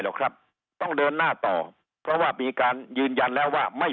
หรอกครับต้องเดินหน้าต่อเพราะว่ามีการยืนยันแล้วว่าไม่